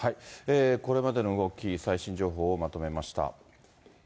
これまでの動き、最新情報をまとめました。